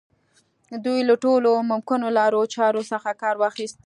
دوی له ټولو ممکنو لارو چارو څخه کار واخيست.